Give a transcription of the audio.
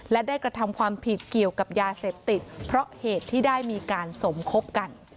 และได้กระทำความผิดเกี่ยวกับยาเสพติดเพราะเหตุที่ได้มีการสมคบกัน